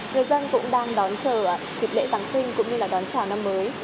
người dân cũng đang đón chờ dịp lễ giáng sinh cũng như là đón chào năm mới